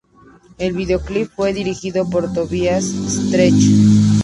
El videoclip fue dirigido por Tobias Stretch.